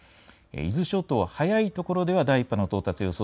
伊豆諸島、早いところでは第１波の到達予想